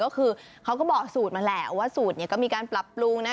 ก็คือเขาก็บอกสูตรมาแหละว่าสูตรเนี่ยก็มีการปรับปรุงนะ